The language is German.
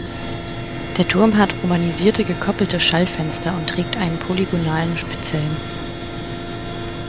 Der Turm hat romanisierte gekoppelte Schallfenster und trägt einen polygonalen Spitzhelm.